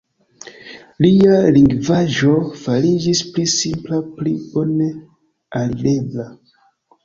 Lia lingvaĵo fariĝis pli simpla, pli bone alirebla.